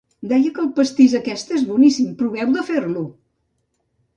Deia que el pastís aquest és boníssim, proveu de fer-lo!